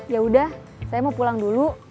ya udah saya mau pulang dulu